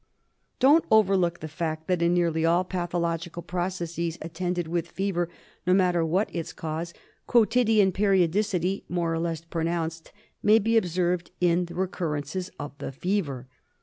Don't overlook the fact that in nearly all pathological processes attended with fever, no matter what its cause, <quotidian periodicity, more or less pronounced, may be observed in the recurrences of the fever.